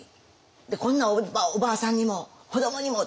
こんなおばあさんにも子どもにもとか。